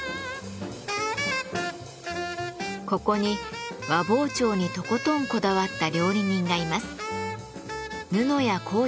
ここに和包丁にとことんこだわった料理人がいます。